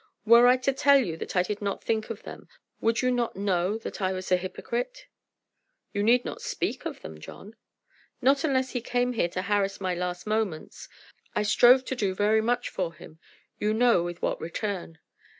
Were I to tell you that I did not think of them, would you not know that I was a hypocrite?" "You need not speak of them, John." "Not unless he came here to harass my last moments. I strove to do very much for him; you know with what return.